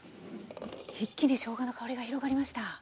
一気にしょうがの香りが広がりました。